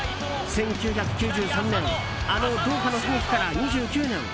１９９３年あのドーハの悲劇から２９年